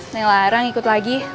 nih larang ikut lagi